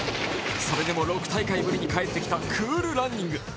それでも６大会ぶりに帰ってきたクールランニング。